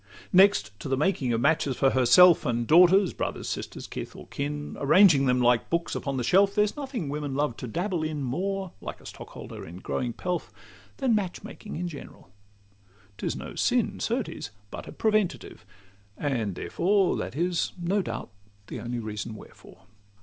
Next to the making matches for herself, And daughters, brothers, sisters, kith or kin, Arranging them like books on the same shelf, There's nothing women love to dabble in More (like a stock holder in growing pelf) Than match making in general: 'tis no sin Certes, but a preventative, and therefore That is, no doubt, the only reason wherefore.